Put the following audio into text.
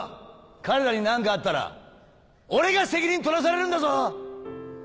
彼らになんかあったら俺が責任取らされるんだぞ！